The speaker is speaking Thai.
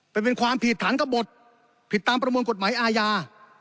เป็นความผิดฐานกระบดผิดตามประมวลกฎหมายอาญา